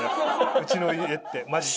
うちの家ってマジで。